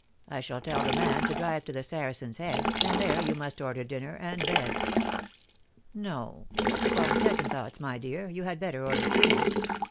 I shall tell the man to drive to the Saracen's Head, and there you must order dinner and beds. No ; upon second thoughts, my dear, you had better order tea.